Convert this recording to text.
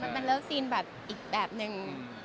มันเป็นเลิฟซีนแบบอีกแบบนึง